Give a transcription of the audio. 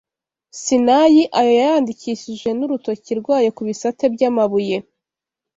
Sinayi ayo yayandikishije n’urutoki rwayo ku bisate by’amabuye